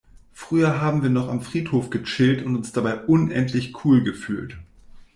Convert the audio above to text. Früher haben wir noch am Friedhof gechillt und uns dabei unendlich cool gefühlt.